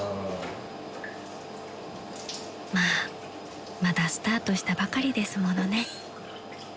［まあまだスタートしたばかりですものね］